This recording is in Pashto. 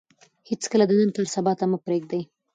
هېڅکله د نن کار سبا ته مه پرېږدئ.